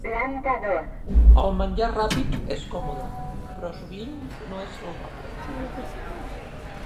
El menjar ràpid és còmode, però sovint no és saludable.